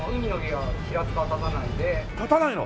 建たないの！？